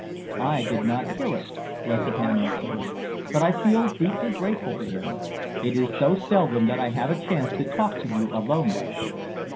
"I did not hear it," Lessingham observed, "but I feel deeply grateful to him. It is so seldom that I have a chance to talk to you alone like this."